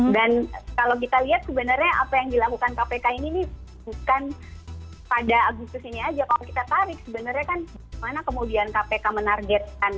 dan kalau kita lihat sebenarnya apa yang dilakukan kpk ini bukan pada agustus ini saja kalau kita tarik sebenarnya kan kemana kemudian kpk menargetkan